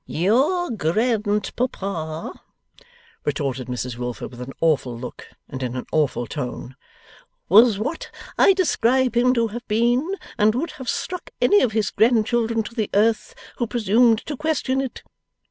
'Your grandpapa,' retorted Mrs Wilfer, with an awful look, and in an awful tone, 'was what I describe him to have been, and would have struck any of his grandchildren to the earth who presumed to question it.